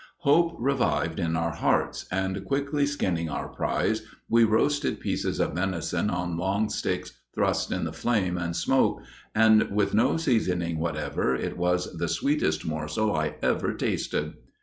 Hope revived in our hearts, and quickly skinning our prize we roasted pieces of venison on long sticks thrust in the flame and smoke, and with no seasoning whatever it was the sweetest morsel I ever tasted.